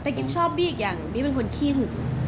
แต่กิ๊บชอบกิ๊บอีกอย่างกิ๊บเป็นคนที่หึง